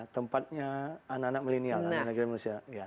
tempatnya anak anak millennial anak anak indonesia